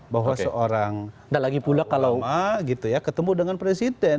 bahwa seorang ulama ketemu dengan presiden